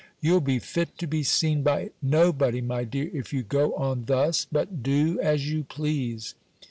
"You'll be fit to be seen by nobody, my dear, if you go on thus. But, do as you please."